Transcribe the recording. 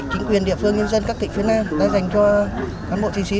chính quyền địa phương nhân dân các tỉnh phía nam đã dành cho cán bộ chiến sĩ